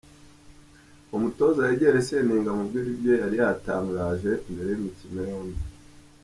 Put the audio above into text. Uwo mutoza yegere Seninga amubwire ibyo yari yatangaje mbere y’imikino yombi.